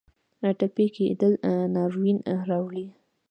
ټپي کېدل ناورین راولي.